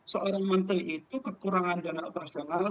seorang menteri itu kekurangan dana operasional